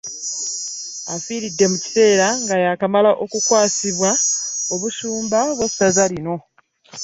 Afiiridde mu kiseera nga yaakamala okukwasibwa obusumba bw'essaza lino